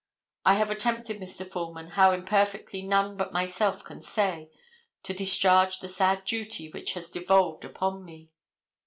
I have attempted, Mr. Foreman, how imperfectly none but myself can say, to discharge the sad duty which has devolved upon me.